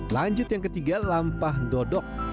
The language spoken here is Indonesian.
lanjut yang ketiga lampa dodok